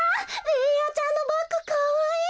ベーヤちゃんのバッグかわいい！